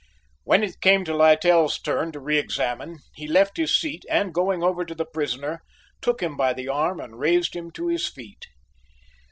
When it came to Littell's turn to re examine, he left his seat and, going over to the prisoner, took him by the arm and raised him to his feet.